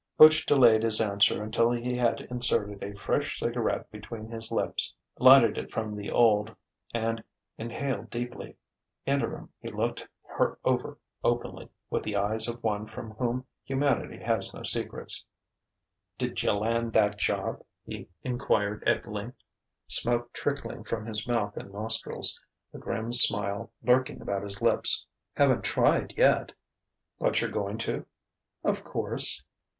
Butch delayed his answer until he had inserted a fresh cigarette between his lips, lighted it from the old, and inhaled deeply. Interim he looked her over openly, with the eyes of one from whom humanity has no secrets. "Dja land that job?" he enquired at length, smoke trickling from his mouth and nostrils, a grim smile lurking about his lips. "Haven't tried yet." "But you're goin' to?" "Of course."